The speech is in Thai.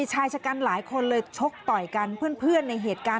ชายชะกันหลายคนเลยชกต่อยกันเพื่อนในเหตุการณ์